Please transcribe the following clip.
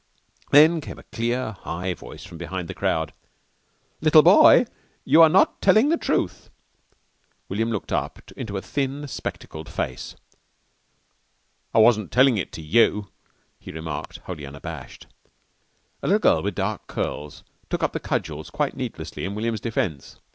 Then there came a clear, high voice from behind the crowd. "Little boy, you are not telling the truth." William looked up into a thin, spectacled face. "I wasn't tellin' it to you," he remarked, wholly unabashed. A little girl with dark curls took up the cudgels quite needlessly in William's defence.